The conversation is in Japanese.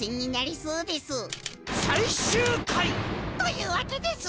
最終回！というわけです。